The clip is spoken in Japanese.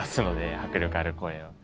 迫力ある声を。